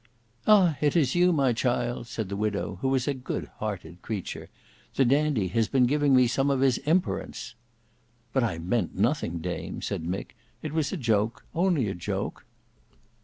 "Ah! is it you, my child," said the widow, who was a good hearted creature. "The dandy has been giving me some of his imperence." "But I meant nothing, dame," said Mick. "It was a joke,—only a joke."